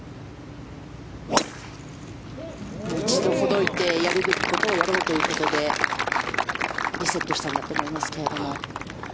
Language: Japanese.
一度、ほどいてやるべきことをやろうということでリセットしたんだと思いますけれども。